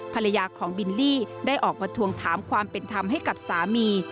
ภรรยาของบิลลี่ได้ออกมาทวงถามความเป็นธรรมให้กับสามี